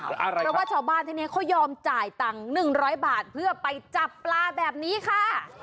อะไรครับเพราะว่าชาวบ้านที่เนี้ยเขายอมจ่ายตังค์หนึ่งร้อยบาทเพื่อไปจับปลาแบบนี้ค่ะ